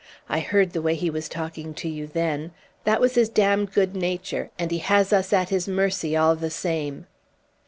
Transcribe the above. I heard the way he was talking to you then; that was his damned good nature, and he has us at his mercy all the same."